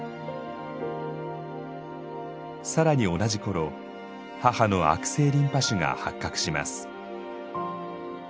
更に同じ頃母の悪性リンパ腫が発覚します。